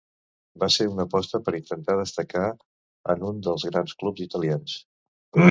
Va ser una aposta per intentar destacar en un dels grans clubs italians.